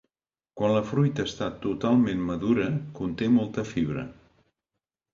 Quan la fruita està totalment madura, conté molta fibra.